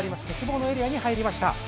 鉄棒のエリアに入りました。